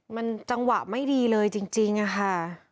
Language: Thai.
มันจังหวะไม่ดีเลยจริงอะค่ะ